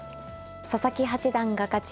佐々木八段が勝ち